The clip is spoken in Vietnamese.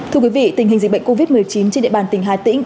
thưa quý vị tình hình dịch bệnh covid một mươi chín trên địa bàn tỉnh hà tĩnh